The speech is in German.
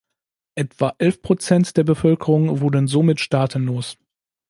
Etwa elf Prozent der Bevölkerung wurden somit staatenlos.